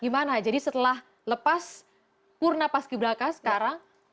gimana jadi setelah lepas purna pas ki braka sekarang